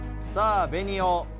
さあベニオ。